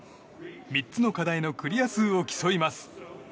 ３つの課題のクリア数を競います。